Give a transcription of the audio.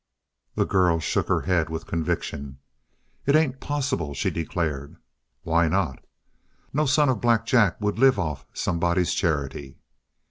The girl shook her head with conviction. "It ain't possible," she declared. "Why not?" "No son of Black Jack would live off somebody's charity."